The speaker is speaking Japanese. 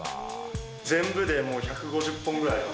全部でもう１５０本ぐらい。